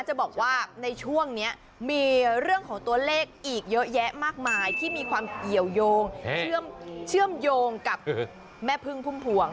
จะบอกว่าในช่วงนี้มีเรื่องของตัวเลขอีกเยอะแยะมากมายที่มีความเกี่ยวยงเชื่อมโยงกับแม่พึ่งพุ่มพวง